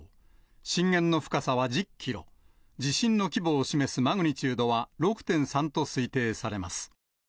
震源の深さは１０キロ、地震の規模を示すマグニチュードは６．３と推定されます。